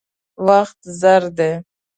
وخت زر دی.